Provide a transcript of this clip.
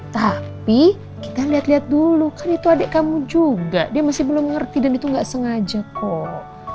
tapi kita lihat lihat dulu kan itu adik kamu juga dia masih belum ngerti dan itu nggak sengaja kok